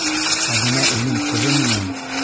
Ә бына уның ҡыҙы менән...